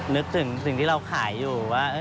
นึกถึงสิ่งที่เราขายอยู่ว่า